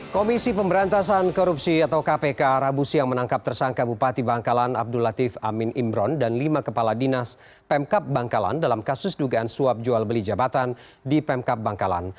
komisi pemberantasan korupsi atau kpk rabu siang menangkap tersangka bupati bangkalan abdul latif amin imron dan lima kepala dinas pemkap bangkalan dalam kasus dugaan suap jual beli jabatan di pemkap bangkalan